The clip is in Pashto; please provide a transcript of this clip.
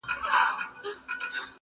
• تر څو به وینو وراني ویجاړي -